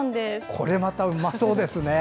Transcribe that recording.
これまたうまそうですね。